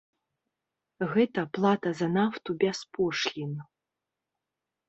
Гэта плата за нафту без пошлін.